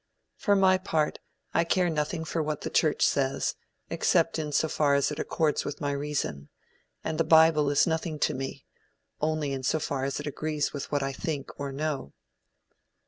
For my part, I care nothing for what the Church says, except in so far as it accords with my reason; and the bible is nothing to me, only in so far as it agrees with what I think or know.